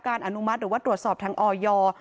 อนุมัติหรือว่าตรวจสอบทางออย